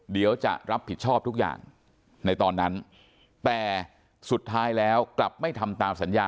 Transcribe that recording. เดี๋ยวจะรับผิดชอบทุกอย่างในตอนนั้นแต่สุดท้ายแล้วกลับไม่ทำตามสัญญา